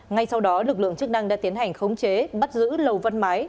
ngay sau đó lực lượng chức năng đã tiến hành khống chế bắt giữ lầu văn mái